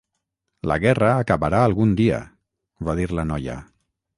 "La guerra acabarà algun dia", va dir la noia.